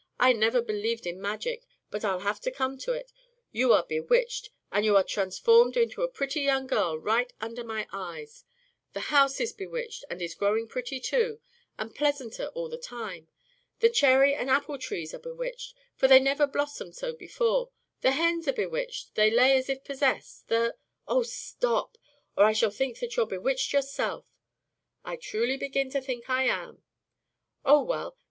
I never believed in magic, but I'll have to come to it. You are bewitched, and are being transformed into a pretty young girl right under my eyes; the house is bewitched, and is growing pretty, too, and pleasanter all the time. The cherry and apple trees are bewitched, for they never blossomed so before; the hens are bewitched, they lay as if possessed; the " "Oh, stop! Or I shall think that you're bewitched yourself." "I truly begin to think I am." "Oh, well!